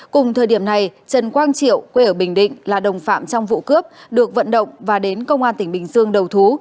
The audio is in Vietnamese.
cùng thời điểm này trần quang triệu quê ở bình định là đồng phạm trong vụ cướp được vận động và đến công an tỉnh bình dương đầu thú